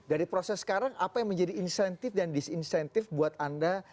dari proses sekarang apa yang menjadi insentif dan disinsentif buat anda